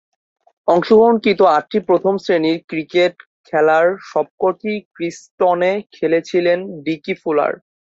অংশগ্রহণকৃত আটটি প্রথম-শ্রেণীর ক্রিকেট খেলার সবকটিই কিংস্টনে খেলেছিলেন ডিকি ফুলার।